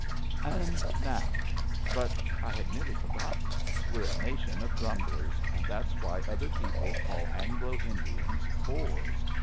And now. But I had nearly forgotten. We're a nation of gnmiblers, and that's why other people call Anglo Indians bores.